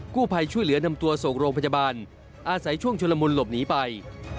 ผู้ภัยช่วยเหลือนำตัวส่งโรงพยาบาลอาศัยช่วงชุลมุนหลบหนีไป